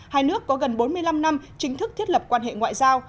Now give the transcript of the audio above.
hai nước có gần bốn mươi năm năm chính thức thiết lập quan hệ ngoại giao